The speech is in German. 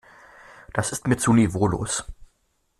Das ist mir zu niveaulos.